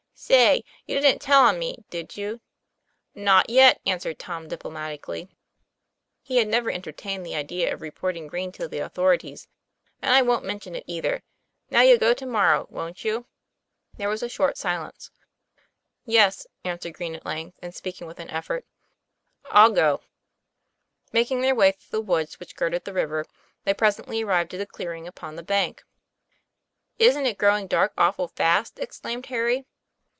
" Say, you didn't tell on me, did you ?" 'Not yet," answered Tom diplomatically he had never entertained the idea of reporting Green to the authorities; "and I wont mention it either. Now you'll go to morrow, wont you?" There was a short silence. 'Yes," answere Green at length, and speaking with an effort, ' go." Making their way ihrough the woods which girded the river, they presently arrived at a clearing upon the bank, TOM PLA YFAIR. 103 'Isn't it growing dark awful fast?" exclaimed Harry.